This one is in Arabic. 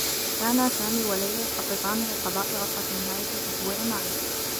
كانا سامي و ليلى يخطّطان لقضاء عطلة نهاية الأسبوع معا.